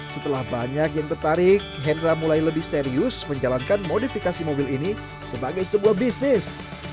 setelah banyak yang tertarik hendra mulai lebih serius menjalankan modifikasi mobil ini sebagai sebuah bisnis